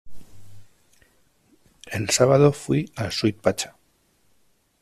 El sábado fui al Sweet Pachá.